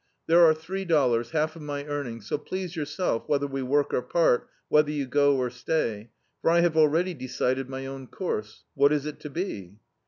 There are three dollars, half of my earnings, so please yourself whether we work or part, whether you go or stay; for I have already decided my own course. What is it to be?"